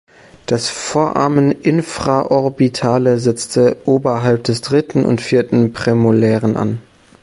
Das Foramen infraorbitale setzte oberhalb des dritten und vierten Prämolaren an.